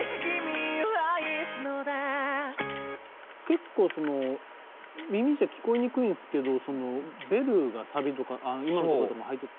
結構耳じゃ聞こえにくいんすけどベルがサビとかあの今のところとかも入って。